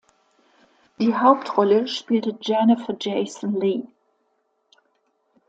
Die Hauptrolle spielte Jennifer Jason Leigh.